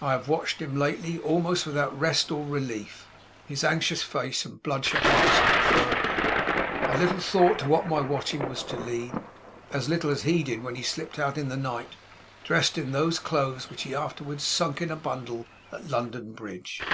I have watched him lately, almost without rest or relief;' his anxious face and bloodshot eyes confirmed it. 'I little thought to what my watching was to lead. As little as he did when he slipped out in the night, dressed in those clothes which he afterwards sunk in a bundle at London Bridge!